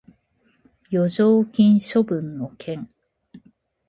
剰余金処分の件